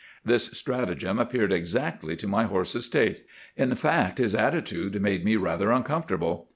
"This stratagem appeared exactly to my horse's taste. In fact, his attitude made me rather uncomfortable.